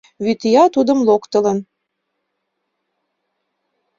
Вӱдия тудым локтылын.